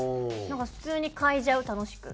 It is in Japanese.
なんか普通にかいじゃう楽しく。